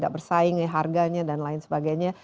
bersaing harganya dan lain sebagainya